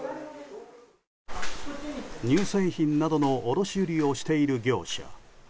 乳製品などの卸売りをしている業者。